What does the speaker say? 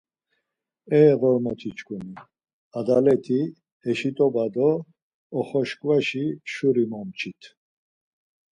E ğormoti-çkuni! Adalet̆i, eşit̆oba do oxoşkvaşi şuri momçit.